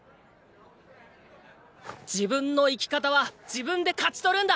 自分の生き方は自分で勝ち取るんだ！